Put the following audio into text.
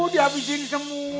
di habisin semua